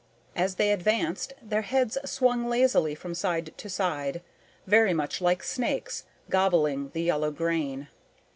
As they advanced, their heads swung lazily from side to side, very much like snakes, gobbling the yellow grain.